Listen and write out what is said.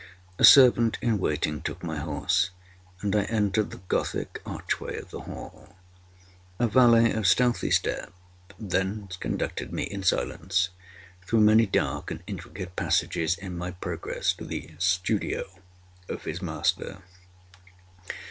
A servant in waiting took my horse, and I entered the Gothic archway of the hall. A valet, of stealthy step, thence conducted me, in silence, through many dark and intricate passages in my progress to the studio of his master.